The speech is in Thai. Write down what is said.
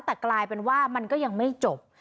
แต่กลายเป็นว่ามันก็ยังไม่จบ